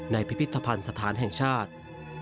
พิพิธภัณฑ์สถานแห่งชาติ